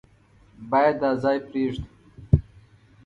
بايد دا ځای پرېږدو.